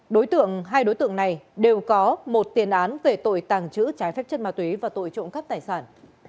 đối tượng hai đối tượng này đều có một tiền án về tội tàng trữ trái phép chất ma túy và tội trộm cắp tài sản